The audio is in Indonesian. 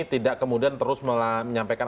tidak kemudian terus menyampaikan